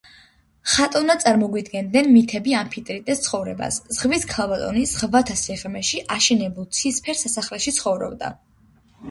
ხატოვნად წარმოგვიდგენენ მითები ამფიტრიტეს ცხოვრებას: ზღვის ქალბატონი ზღვათა სიღრმეში აშენებულ ცისფერ სასახლეში ცხოვრობდა.